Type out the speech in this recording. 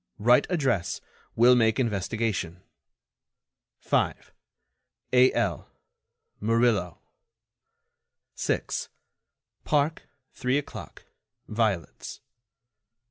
Write address. Will make investigation. 5. A.L. Murillo. 6. 540. Park three o'clock. Violets.